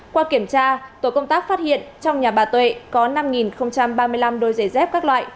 qua kiểm tra tổ công tác phát hiện trong nhà bà tuệ có năm ba mươi năm đôi giày dép các loại